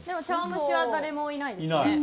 茶碗蒸しは誰もいないですね。